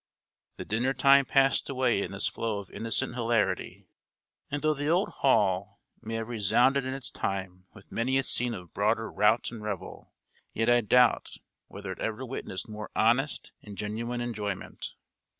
The dinner time passed away in this flow of innocent hilarity; and, though the old hall may have resounded in its time with many a scene of broader rout and revel, yet I doubt whether it ever witnessed more honest and genuine enjoyment.